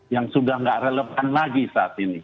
yang sudah tidak relevan lagi saat ini